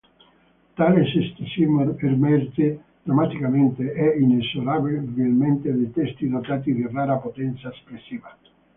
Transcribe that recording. Tale scetticismo emerge drammaticamente e inesorabilmente da testi dotati di rara potenza espressiva.